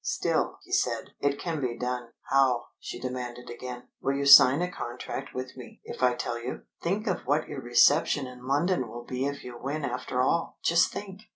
"Still," he said, "it can be done." "How," she demanded again. "Will you sign a contract with me, if I tell you? ... Think of what your reception in London will be if you win after all! Just think!"